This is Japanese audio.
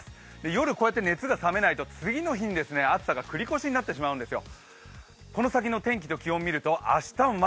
夜こうやって熱が冷めないと次の日も暑さが繰り越しになってしまうんですよ。